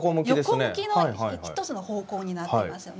横向きの一つの方向になっていますよね。